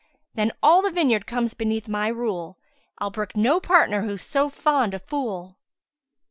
Then all the vineyard comes beneath my rule, * I'll brook no partner who's so fond a fool."